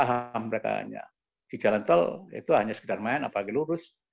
ham mereka hanya di jalan tol itu hanya sekedar main apalagi lurus